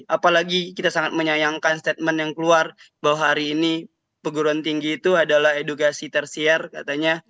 apalagi kita sangat menyayangkan statement yang keluar bahwa hari ini perguruan tinggi itu adalah edukasi tersier katanya